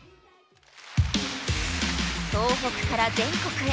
東北から全国へ。